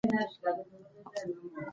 سټریپټوکوکي د غاښونو خرابېدو لامل ګرځي.